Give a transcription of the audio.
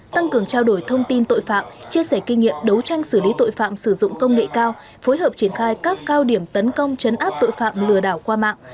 tăng cường trao đổi thông tin tội phạm chia sẻ kinh nghiệm đấu tranh xử lý tội phạm sử dụng công nghệ cao phối hợp triển khai các cao điểm tấn công chấn áp tội phạm lừa đảo qua mạng